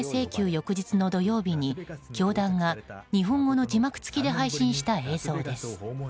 翌日の土曜日に教団が、日本語の字幕付きで配信した映像です。